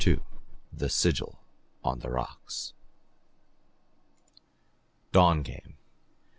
THE SIGIL ON THE ROCKS Dawn came.